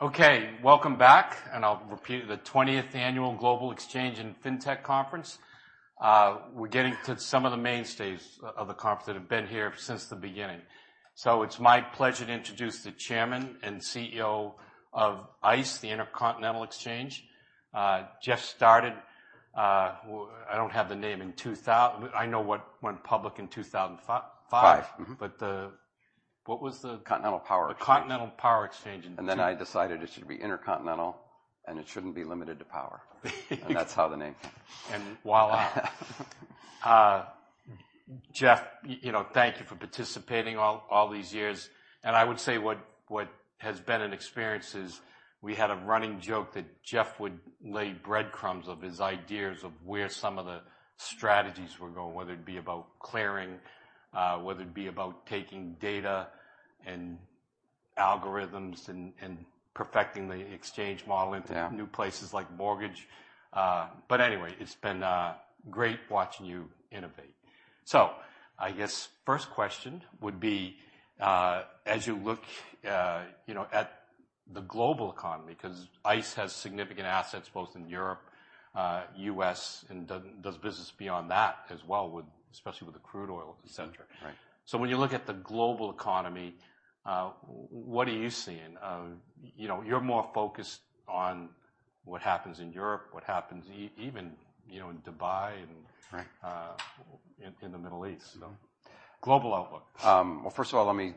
Okay, welcome back. I'll repeat, the 20th Annual Global Exchange & Trading Conference. We're getting to some of the mainstays of the conference that have been here since the beginning. It's my pleasure to introduce the Chairman and CEO of ICE, the Intercontinental Exchange. Jeff started, I don't have the name in I know what went public in 2005. Five. Mm-hmm. The, what was? Continental Power Exchange. The Continental Power Exchange. Then I decided it should be Intercontinental, and it shouldn't be limited to power. That's how the name came. Voila! Jeff, you know, thank you for participating all these years. I would say what has been an experience is, we had a running joke that Jeff would lay breadcrumbs of his ideas of where some of the strategies were going, whether it be about clearing, whether it be about taking data and algorithms and perfecting the exchange model. Yeah.... new places like mortgage. Anyway, it's been great watching you innovate. I guess first question would be, as you look, you know, at the global economy, 'cause ICE has significant assets both in Europe, U.S., and does business beyond that as well, especially with the crude oil, et cetera. Right. When you look at the global economy, what are you seeing? You know, you're more focused on what happens in Europe, what happens even, you know, in Dubai and... Right... in the Middle East. Mm-hmm. Global outlook. Well, first of all, let me.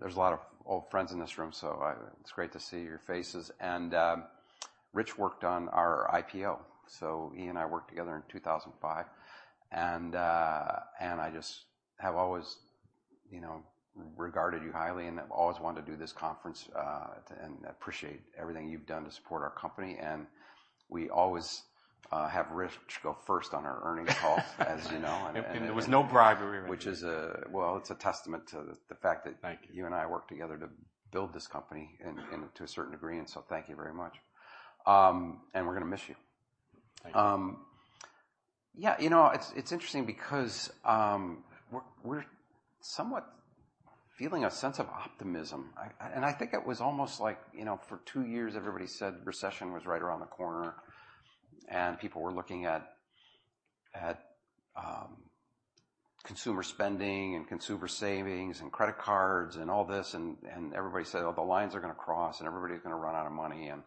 There's a lot of old friends in this room, so it's great to see your faces. Rich worked on our IPO, so he and I worked together in 2005. I just have always, you know, regarded you highly and have always wanted to do this conference, and appreciate everything you've done to support our company. We always, have Rich go first on our earnings call as you know. There was no bribery. Which is Well, it's a testament to the fact that... Thank you.... you and I worked together to build this company and to a certain degree, and so thank you very much. We're gonna miss you. Thank you. Yeah, you know, it's interesting because we're somewhat feeling a sense of optimism. I think it was almost like, you know, for two years, everybody said recession was right around the corner, and people were looking at consumer spending and consumer savings and credit cards and all this, and everybody said, "Oh, the lines are gonna cross, and everybody's gonna run out of money, and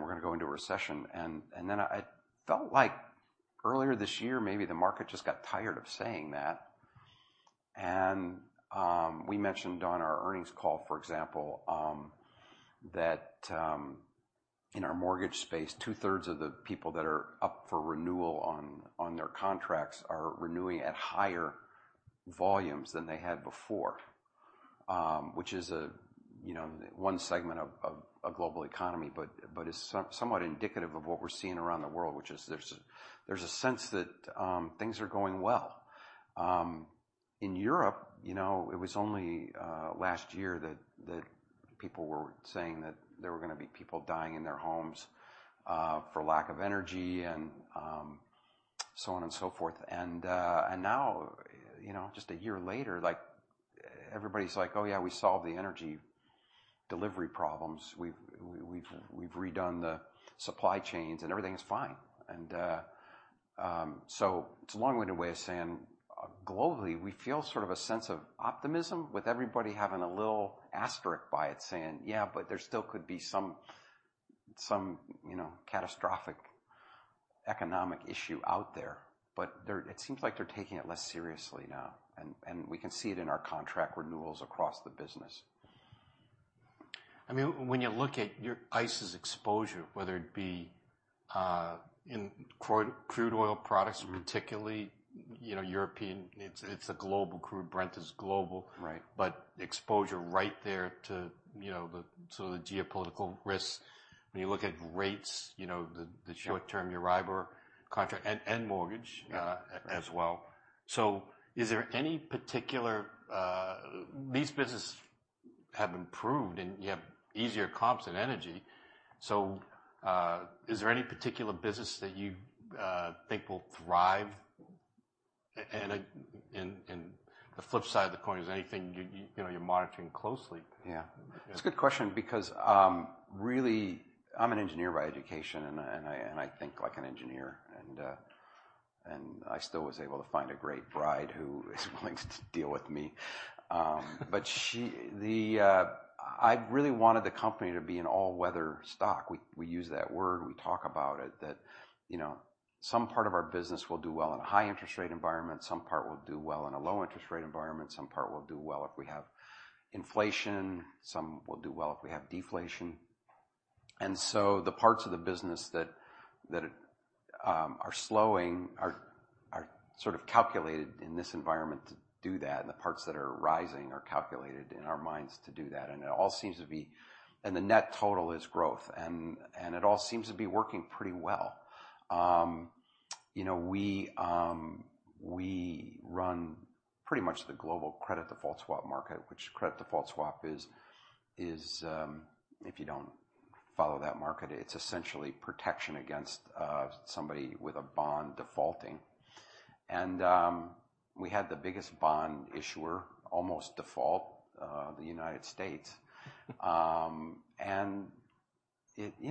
we're gonna go into a recession." I felt like earlier this year, maybe the market just got tired of saying that. We mentioned on our earnings call, for example, that in our mortgage space, two-thirds of the people that are up for renewal on their contracts are renewing at higher volumes than they had before. Which is a, you know, one segment of a global economy, but is somewhat indicative of what we're seeing around the world, which is there's a sense that things are going well. In Europe, you know, it was only last year that people were saying that there were gonna be people dying in their homes for lack of energy and so on and so forth. Now, you know, just a year later, like, everybody's like: "Oh, yeah, we solved the energy delivery problems. We've redone the supply chains, and everything is fine." So it's a long-winded way of saying, globally, we feel sort of a sense of optimism, with everybody having a little asterisk by it, saying: "Yeah, but there still could be some, you know, catastrophic economic issue out there." It seems like they're taking it less seriously now, and we can see it in our contract renewals across the business. I mean, when you look at ICE's exposure, whether it be in crude oil products, particularly, you know, European, it's a global crude. Brent is global. Right. exposure right there to, you know, the sort of the geopolitical risks. When you look at rates, you know. Sure... the short-term, your IBOR contract and mortgage. Yeah... as well. Is there any particular. These businesses have improved, and you have easier comps in energy. Is there any particular business that you think will thrive? The flip side of the coin, is there anything you know, you're monitoring closely? Yeah. Yeah. It's a good question because, really, I'm an engineer by education, and I think like an engineer. I still was able to find a great bride who is willing to deal with me. The, I really wanted the company to be an all-weather stock. We use that word, we talk about it, that, you know, some part of our business will do well in a high interest rate environment, some part will do well in a low interest rate environment, some part will do well if we have inflation, some will do well if we have deflation. The parts of the business that are slowing are sort of calculated in this environment to do that, and the parts that are rising are calculated in our minds to do that. The net total is growth, and it all seems to be working pretty well. You know, we run pretty much the global credit default swap market, which credit default swap is, if you don't follow that market. It's essentially protection against somebody with a bond defaulting. We had the biggest bond issuer almost default, the United States. You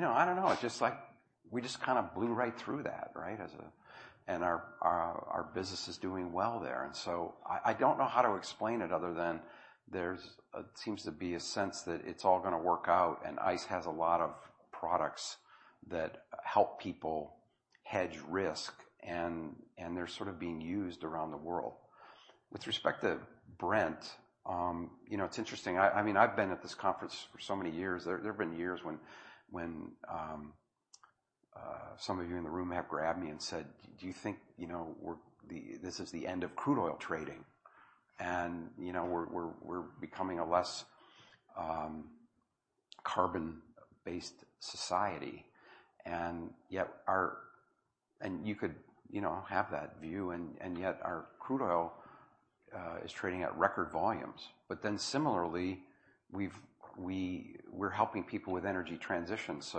know, I don't know. It's just like we just kind of blew right through that, right? Our business is doing well there. I don't know how to explain it, other than there's a sense that it's all gonna work out, and ICE has a lot of products that help people hedge risk, and they're sort of being used around the world. With respect to Brent, you know, it's interesting. I mean, I've been at this conference for so many years. There have been years when some of you in the room have grabbed me and said: "Do you think, you know, this is the end of crude oil trading? You know, we're becoming a less carbon-based society." You could, you know, have that view, and yet our crude oil is trading at record volumes. Similarly, we're helping people with energy transitions.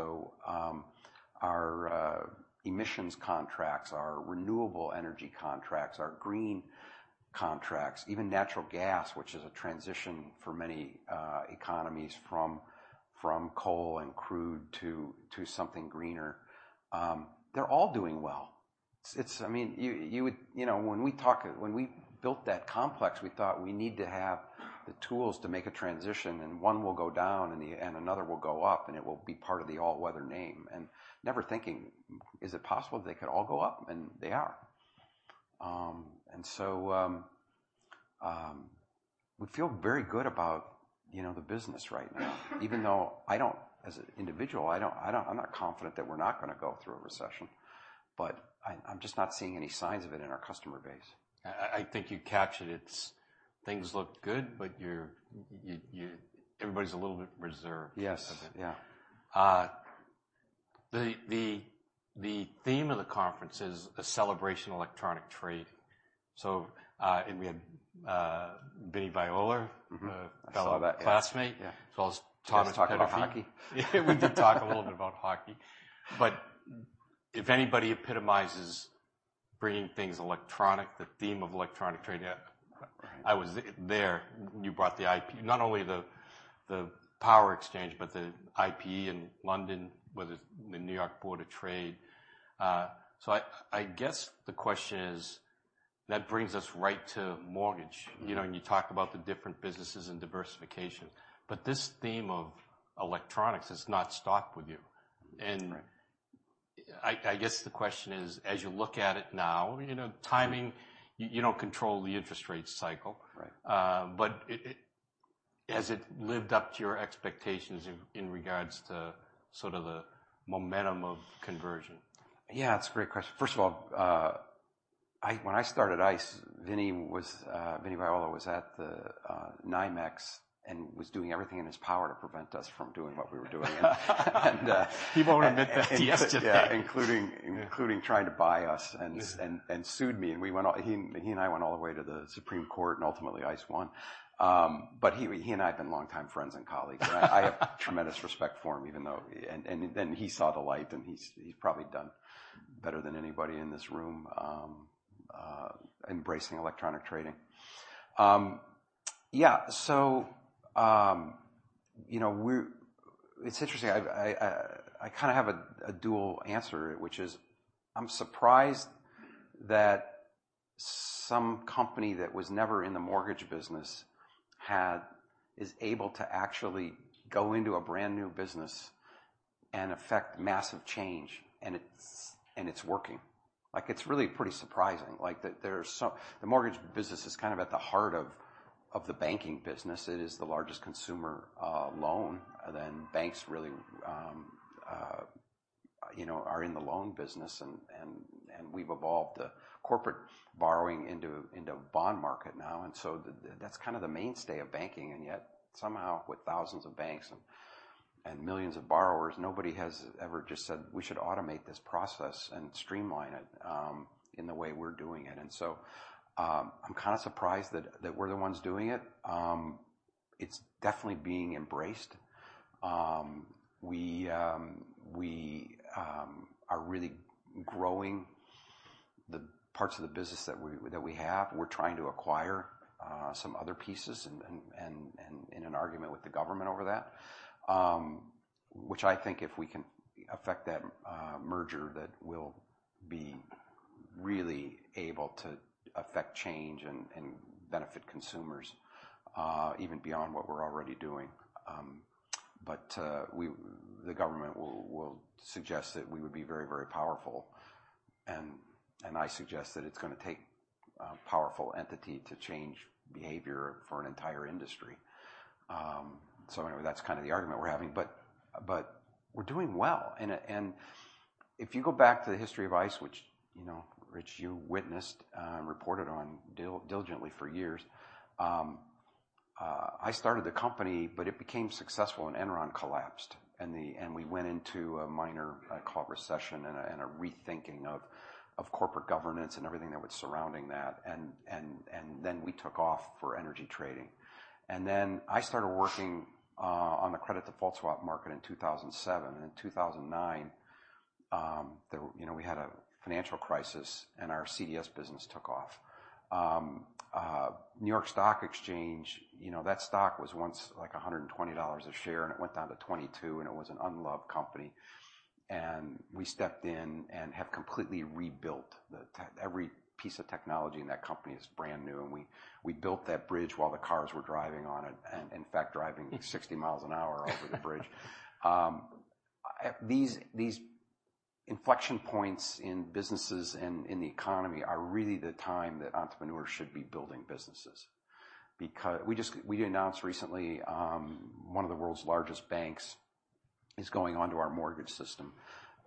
Our emissions contracts, our renewable energy contracts, our green contracts, even natural gas, which is a transition for many economies from coal and crude to something greener, they're all doing well. I mean, you know, when we built that complex, we thought we need to have the tools to make a transition, and one will go down, and another will go up, and it will be part of the all-weather name. Never thinking, is it possible they could all go up? They are. We feel very good about, you know, the business right now. Even though I don't, as an individual, I'm not confident that we're not gonna go through a recession. I'm just not seeing any signs of it in our customer base. I think you captured it. It's things look good, but you're everybody's a little bit reserved. Yes. Okay. Yeah. The theme of the conference is a celebration of electronic trade. We had Vinnie Viola. I saw that.... a fellow classmate. Yeah. As well as Thomas Peterffy. He was talking about hockey. Yeah, we did talk a little bit about hockey. If anybody epitomizes bringing things electronic, the theme of electronic trading. Right. I was there when you brought the IP, not only the power exchange, but the IPE in London, whether the New York Board of Trade. I guess the question is, that brings us right to mortgage. Mm-hmm. You know, you talk about the different businesses and diversification, but this theme of electronics has not stopped with you. Right. I guess the question is, as you look at it now, you know, timing, you don't control the interest rate cycle? Right. Has it lived up to your expectations in regards to sort of the momentum of conversion? It's a great question. First of all, when I started ICE, Vinnie was, Vinnie Viola was at the NYMEX and was doing everything in his power to prevent us from doing what we were doing. He won't admit that yesterday. Yeah, including trying to buy. Yes... and sued me, and we went all the way to the Supreme Court, and ultimately, ICE won. He and I have been longtime friends and colleagues. I have tremendous respect for him, even though. He saw the light, and he's probably done better than anybody in this room, embracing electronic trading. You know, it's interesting, I kind of have a dual answer, which is, I'm surprised that some company that was never in the mortgage business is able to actually go into a brand-new business and effect massive change, and it's working. Like, it's really pretty surprising. Like, there are some. The mortgage business is kind of at the heart of the banking business. It is the largest consumer loan. Banks really, you know, are in the loan business, and we've evolved the corporate borrowing into bond market now. That's kind of the mainstay of banking, and yet somehow, with thousands of banks and millions of borrowers, nobody has ever just said: "We should automate this process and streamline it in the way we're doing it." I'm kind of surprised that we're the ones doing it. It's definitely being embraced. We are really growing the parts of the business that we have. We're trying to acquire some other pieces and in an argument with the government over that, which I think if we can effect that merger, that we'll be really able to effect change and benefit consumers even beyond what we're already doing. The government will suggest that we would be very, very powerful, and I suggest that it's gonna take a powerful entity to change behavior for an entire industry. Anyway, that's kind of the argument we're having. We're doing well. If you go back to the history of ICE, which, you know, Rich, you witnessed, reported on diligently for years, I started the company, but it became successful when Enron collapsed, and we went into a minor... Right... claw recession and a rethinking of corporate governance and everything that was surrounding that. We took off for energy trading. I started working on the credit default swap market in 2007. In 2009, you know, we had a financial crisis, and our CDS business took off. New York Stock Exchange, you know, that stock was once like $120 a share, and it went down to 22, and it was an unloved company. We stepped in and have completely rebuilt the tech. Every piece of technology in that company is brand new, and we built that bridge while the cars were driving on it, and in fact, driving 60 miles an hour over the bridge. These inflection points in businesses and in the economy are really the time that entrepreneurs should be building businesses. We announced recently, one of the world's largest banks is going onto our mortgage system.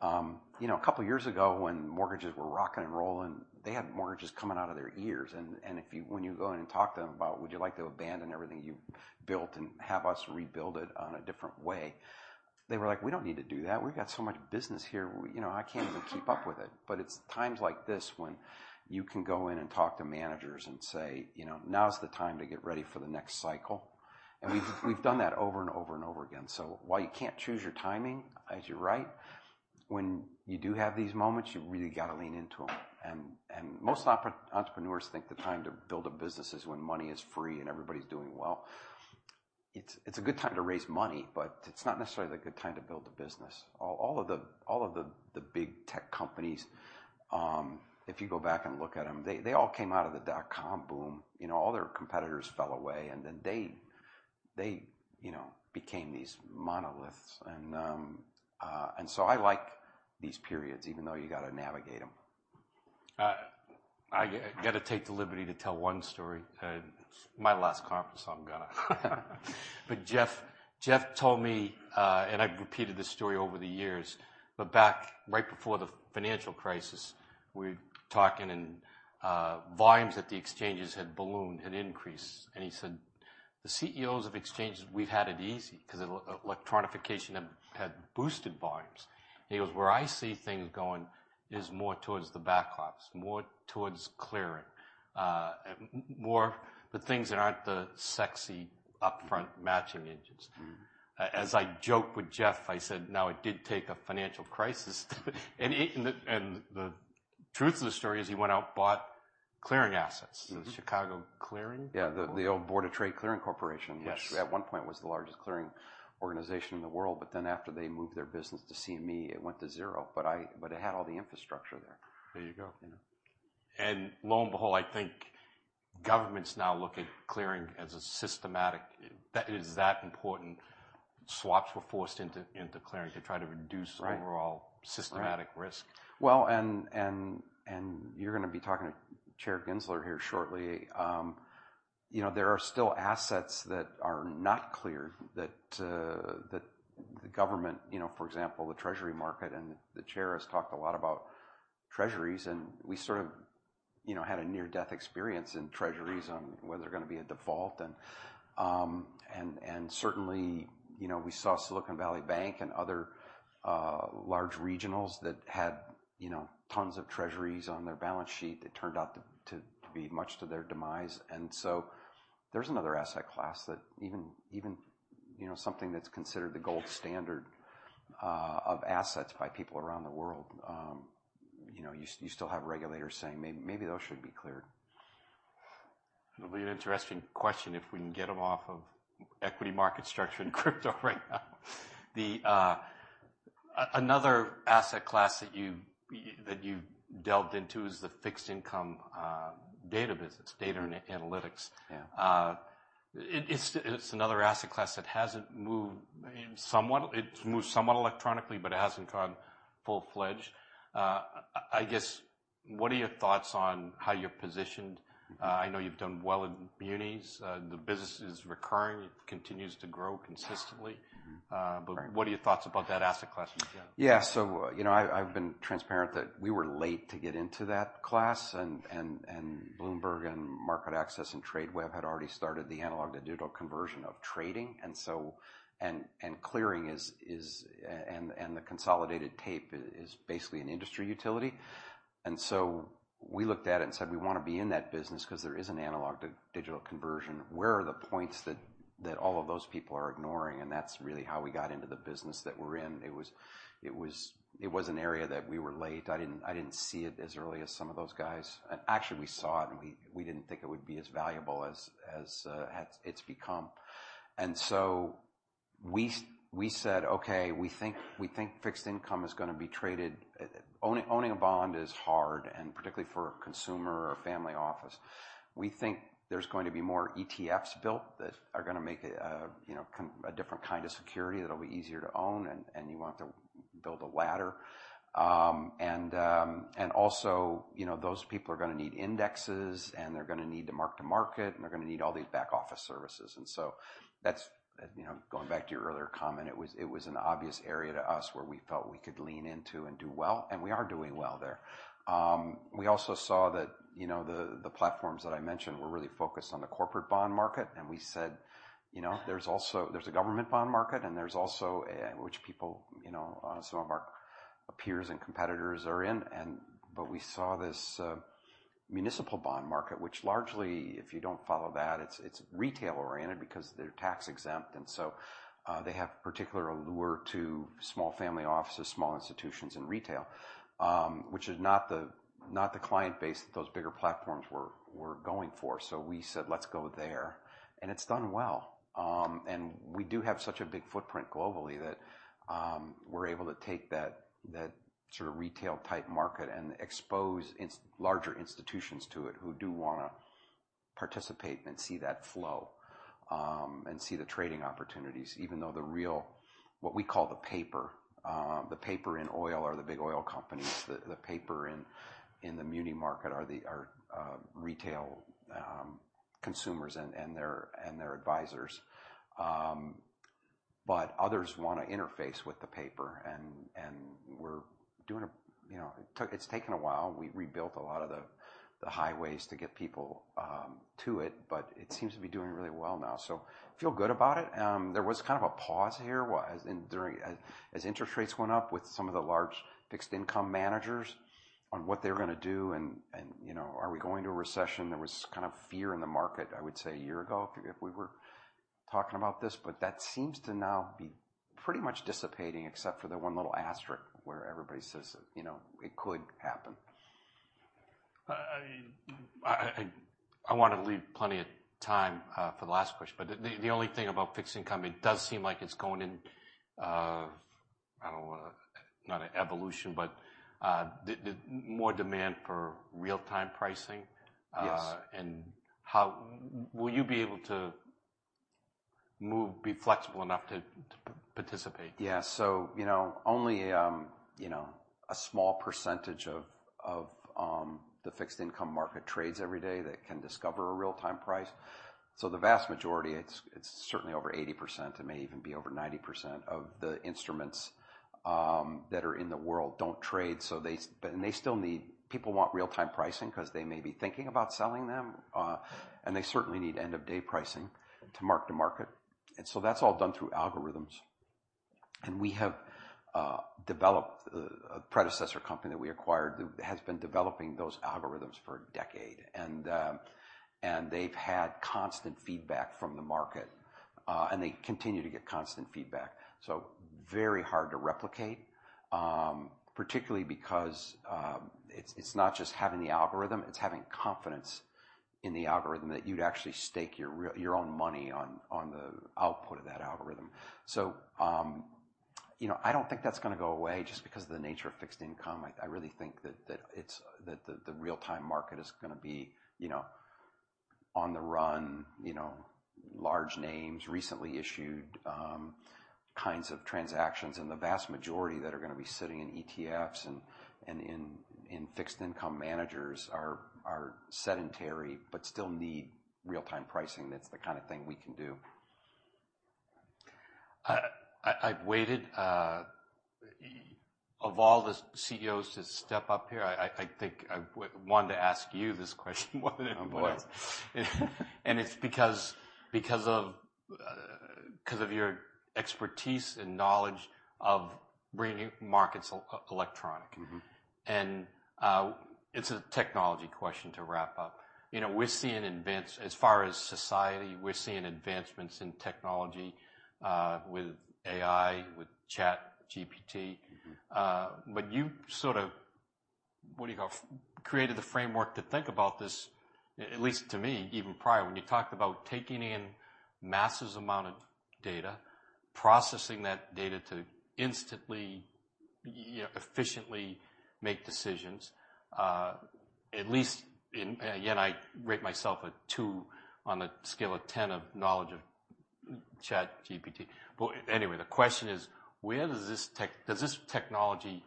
You know, a years ago, when mortgages were rocking and rolling, they had mortgages coming out of their ears, when you go in and talk to them about, "Would you like to abandon everything you've built and have us rebuild it on a different way?" They were like: "We don't need to do that. We've got so much business here, we, you know, I can't even keep up with it." It's times like this when you can go in and talk to managers and say, "You know, now is the time to get ready for the next cycle." We've done that over and over and over again. While you can't choose your timing, as you're right, when you do have these moments, you've really got to lean into them. Most entrepreneurs think the time to build a business is when money is free and everybody's doing well. It's a good time to raise money, but it's not necessarily a good time to build a business. All of the big tech companies, if you go back and look at them, they all came out of the dot-com boom. You know, all their competitors fell away, and then they, you know, became these monoliths. I like these periods, even though you got to navigate them. I gotta take the liberty to tell one story. My last conference, so I'm gonna. Jeff told me, and I've repeated this story over the years, but back, right before the financial crisis, we were talking and volumes at the exchanges had ballooned and increased. He said: "The CEOs of exchanges, we've had it easy because electronification have had boosted volumes." He goes, "Where I see things going is more towards the back office, more towards clearing, more the things that aren't the sexy, upfront matching engines." Mm-hmm. As I joked with Jeff, I said, "Now, it did take a financial crisis." The truth of the story is he went out and bought clearing assets. Mm-hmm. The Chicago Clearing? Yeah, the old Board of Trade Clearing Corporation. Yes. At one point, was the largest clearing organization in the world, but then after they moved their business to CME, it went to zero. But I had all the infrastructure there. There you go. You know? Lo and behold, I think governments now look at clearing as a systematic. That is that important. Swaps were forced into clearing to try to reduce. Right... overall systematic risk. You're gonna be talking to Chair Gensler here shortly. You know, there are still assets that are not clear that the government, you know, for example, the treasury market, the Chair has talked a lot about treasuries. We sort of, you know, had a near-death experience in treasuries on whether they're gonna be a default. Certainly, you know, we saw Silicon Valley Bank and other large regionals that had, you know, tons of treasuries on their balance sheet that turned out to be much to their demise. There's another asset class that even, you know, something that's considered the gold standard of assets by people around the world. You know, you still have regulators saying maybe those should be cleared. It'll be an interesting question if we can get them off of equity market structure and crypto right now. Another asset class that you that you delved into is the fixed income, data business, data analytics. Yeah. It's another asset class that hasn't moved. Somewhat, it's moved somewhat electronically, but it hasn't gone full-fledged. I guess, what are your thoughts on how you're positioned? I know you've done well in munis. The business is recurring, it continues to grow consistently. Mm-hmm. Uh- Right What are your thoughts about that asset class in general? You know, I've been transparent that we were late to get into that class, and Bloomberg, and MarketAxess, and Tradeweb had already started the analog to digital conversion of trading. Clearing is and the consolidated tape is basically an industry utility. We looked at it and said: We wanna be in that business 'cause there is an analog to digital conversion. Where are the points that all of those people are ignoring? That's really how we got into the business that we're in. It was an area that we were late. I didn't see it as early as some of those guys. Actually, we saw it, and we didn't think it would be as valuable as it's become. We said, "Okay, we think fixed income is gonna be traded..." Owning a bond is hard, and particularly for a consumer or family office. We think there's going to be more ETFs built that are gonna make a, you know, a different kind of security that'll be easier to own, and you want to build a ladder. Also, you know, those people are gonna need indexes, and they're gonna need to mark to market, and they're gonna need all these back office services. That's, you know, going back to your earlier comment, it was an obvious area to us where we felt we could lean into and do well, and we are doing well there. We also saw that, you know, the platforms that I mentioned were really focused on the corporate bond market. We said: You know, there's a government bond market, and there's also a... Which people, you know, some of our peers and competitors are in, and but we saw this municipal bond market, which largely, if you don't follow that, it's retail-oriented because they're tax-exempt. They have particular allure to small family offices, small institutions in retail, which is not the, not the client base that those bigger platforms were going for. We said, "Let's go there." It's done well. We do have such a big footprint globally, that we're able to take that sort of retail-type market and expose larger institutions to it, who do wanna participate and see that flow, and see the trading opportunities, even though the real... what we call the paper. The paper in oil are the big oil companies. The paper in the muni market are retail, consumers and their advisors. Others wanna interface with the paper, and we're doing a. You know, it's taken a while. We rebuilt a lot of the highways to get people to it, but it seems to be doing really well now. Feel good about it. There was kind of a pause here, as interest rates went up with some of the large fixed income managers on what they were gonna do. You know, are we going to a recession? There was kind of fear in the market, I would say, one year ago, if we were talking about this. That seems to now be pretty much dissipating, except for the one little asterisk, where everybody says, you know, "It could happen." I want to leave plenty of time for the last question, but the only thing about fixed income, it does seem like it's going in, Not an evolution, but the more demand for real-time pricing. Yes. Will you be able to move, be flexible enough to participate? Yeah. You know, only, you know, a small percentage of, the fixed income market trades every day that can discover a real-time price. The vast majority, it's certainly over 80%, it may even be over 90% of the instruments, that are in the world, don't trade. People want real-time pricing because they may be thinking about selling them, and they certainly need end-of-day pricing to mark to market. That's all done through algorithms. We have developed a predecessor company that we acquired, that has been developing those algorithms for a decade. They've had constant feedback from the market, and they continue to get constant feedback. Very hard to replicate, particularly because it's not just having the algorithm, it's having confidence in the algorithm that you'd actually stake your own money on the output of that algorithm. You know, I don't think that's gonna go away just because of the nature of fixed income. I really think that the real-time market is gonna be, you know, on the run, you know, large names, recently issued, kinds of transactions. The vast majority that are gonna be sitting in ETFs and in fixed income managers are sedentary, but still need real-time pricing. That's the kind of thing we can do. I've waited, of all the CEOs to step up here. I think I wanted to ask you this question more than anybody else. Yes. it's because of your expertise and knowledge of bringing markets electronic. Mm-hmm. It's a technology question to wrap up. You know, As far as society, we're seeing advancements in technology, with AI, with ChatGPT. Mm-hmm. You sort of, what do you call? Created the framework to think about this, at least to me, even prior, when you talked about taking in massive amount of data, processing that data to instantly, efficiently make decisions, at least in... Again, I rate myself a two on a scale of 10 of knowledge of ChatGPT. Anyway, the question is: where does this technology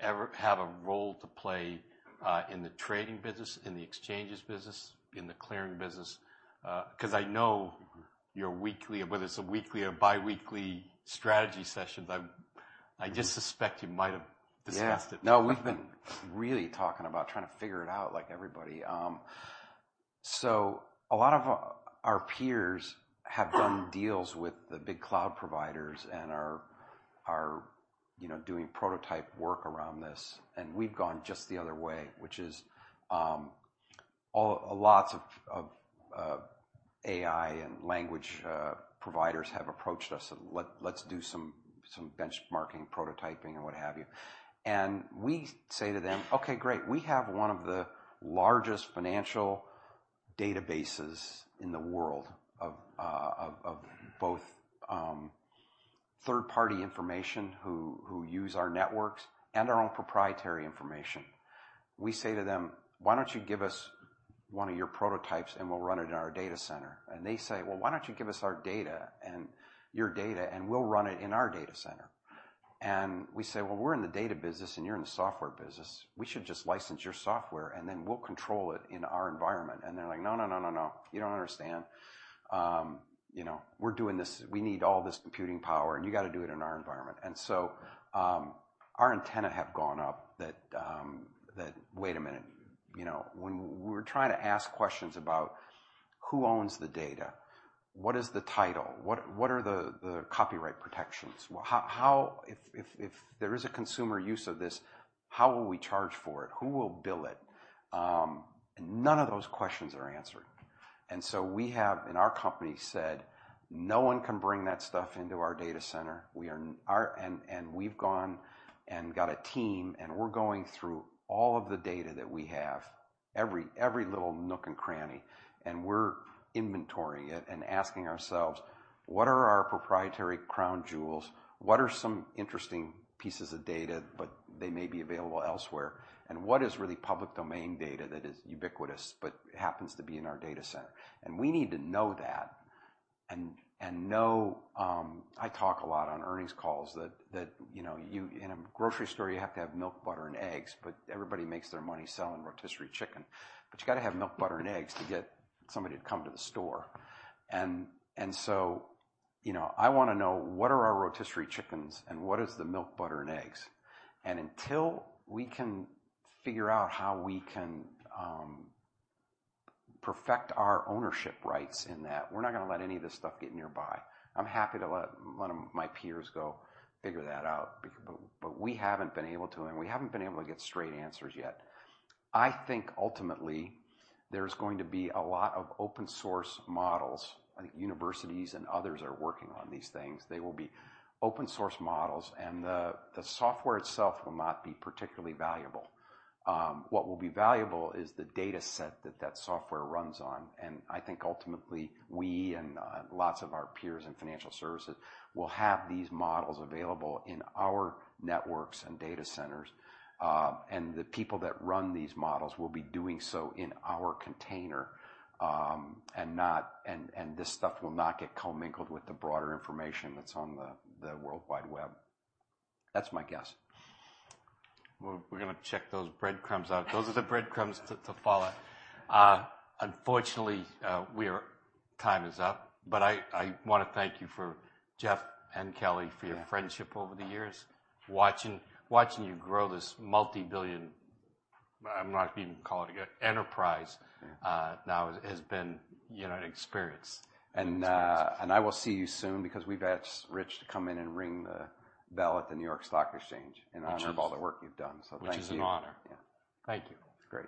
ever have a role to play, in the trading business, in the exchanges business, in the clearing business? I know- Mm-hmm... your weekly, whether it's a weekly or bi-weekly strategy sessions, I just suspect you might have discussed it. Yeah. No, we've been really talking about trying to figure it out, like everybody. A lot of our peers have done deals with the big cloud providers and are, you know, doing prototype work around this. We've gone just the other way, which is, lots of AI and language providers have approached us, "Let's do some benchmarking, prototyping, and what have you." We say to them: "Okay, great. We have one of the largest financial databases in the world of both third-party information, who use our networks, and our own proprietary information." We say to them: "Why don't you give us one of your prototypes, and we'll run it in our data center?" They say: "Well, why don't you give us our data, your data, and we'll run it in our data center?" We say: "Well, we're in the data business, and you're in the software business. We should just license your software, and then we'll control it in our environment." They're like, "No, no, no. You don't understand. You know, we're doing this... We need all this computing power, you gotta do it in our environment." Our antenna have gone up that, wait a minute, you know, when we're trying to ask questions about who owns the data, what is the title? What are the copyright protections? Well, how If there is a consumer use of this, how will we charge for it? Who will bill it? None of those questions are answered. We have, in our company, said, "No one can bring that stuff into our data center." We've gone and got a team, and we're going through all of the data that we have, every little nook and cranny, and we're inventorying it and asking ourselves: "What are our proprietary crown jewels? What are some interesting pieces of data, but they may be available elsewhere? What is really public domain data that is ubiquitous, but happens to be in our data center?" We need to know that and know. I talk a lot on earnings calls that, you know, in a grocery store, you have to have milk, butter, and eggs, but everybody makes their money selling rotisserie chicken. You gotta have milk, butter, and eggs to get somebody to come to the store. You know, I wanna know: what are our rotisserie chickens, and what is the milk, butter, and eggs? Until we can figure out how we can perfect our ownership rights in that, we're not gonna let any of this stuff get nearby. I'm happy to let my peers go figure that out, but we haven't been able to, and we haven't been able to get straight answers yet. I think ultimately, there's going to be a lot of open source models. I think universities and others are working on these things. They will be open source models, the software itself will not be particularly valuable. What will be valuable is the dataset that software runs on, I think ultimately, we and lots of our peers in financial services will have these models available in our networks and data centers. The people that run these models will be doing so in our container, and this stuff will not get commingled with the broader information that's on the World Wide Web. That's my guess. Well, we're gonna check those breadcrumbs out. Those are the breadcrumbs to follow. Unfortunately, time is up, but I wanna thank you for Jeff and Kelly, for your friendship over the years. Watching you grow this multi-billion, I'm not even call it, enterprise now has been, you know, an experience. And I will see you soon because we've asked Rich to come in and ring the bell at the New York Stock Exchange. Which In honor of all the work you've done. Thank you. Which is an honor. Yeah. Thank you. Great.